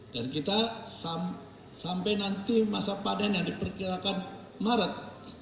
dan kita sampai nanti masa panen yang diperkirakan maret